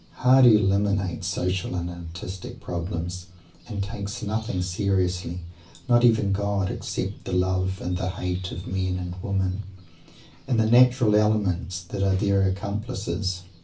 Mr. Hardy eliminates social and artistic problems and "takes nothing seriously" not even "God" except the love and the hate of men and women, and the natural elements that are their accomplices.